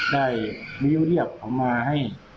ได้วิวเรียบเอามาให้